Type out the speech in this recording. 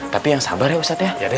tapi yang sabar ya ustadz ya